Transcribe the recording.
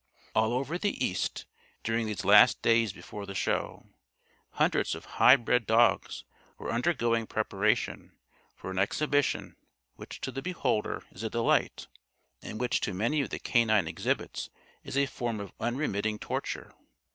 All over the East, during these last days before the Show, hundreds of high bred dogs were undergoing preparation for an exhibition which to the beholder is a delight and which to many of the canine exhibits is a form of unremitting torture.